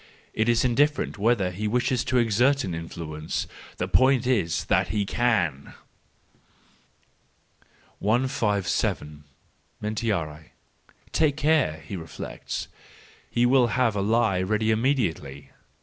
It is indifferent whether he wishes to exert an influence; the point is that he can. IS 7. Mentiri .—Take care!—he reflects: he will have a lie ready immediately.